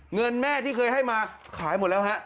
เงินแม่ที่เคยให้มาขายหมดแล้วฮะ